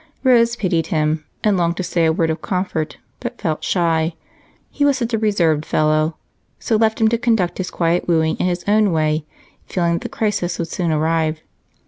Rose pitied him and longed to say a word of comfort, but felt shy he was such a reserved fellow so left him to conduct his quiet wooing in his own way, feeling that the crisis would soon arrive.